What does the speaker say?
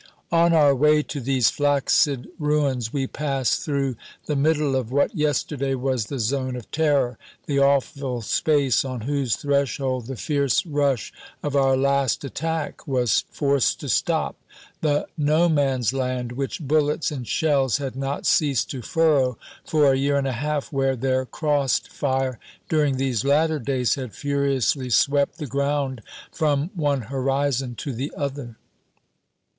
On our way to these flaccid ruins we pass through the middle of what yesterday was the zone of terror, the awful space on whose threshold the fierce rush of our last attack was forced to stop, the No Man's Land which bullets and shells had not ceased to furrow for a year and a half, where their crossed fire during these latter days had furiously swept the ground from one horizon to the other.